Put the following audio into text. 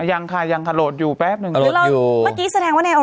ให้แค่นักเล่นโซเชียล